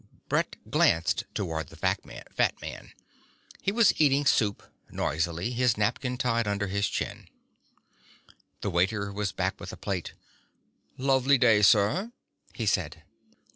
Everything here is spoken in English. Brett glanced toward the fat man. He was eating soup noisily, his napkin tied under his chin. The waiter was back with a plate. "Lovely day, sir," he said.